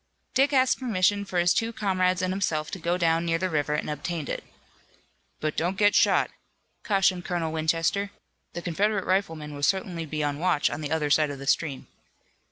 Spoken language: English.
Dick asked permission for his two comrades and himself to go down near the river and obtained it. "But don't get shot," cautioned Colonel Winchester. "The Confederate riflemen will certainly be on watch on the other side of the stream."